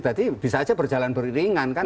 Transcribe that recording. berarti bisa aja berjalan beriringan kan